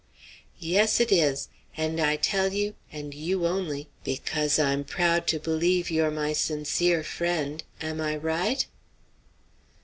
"Yes, it is; and I tell you, and you only, because I'm proud to believe you're my sincere friend. Am I right?"